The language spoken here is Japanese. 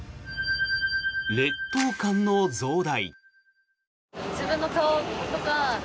劣等感の増大。